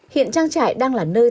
hiện trang trại đang là nơi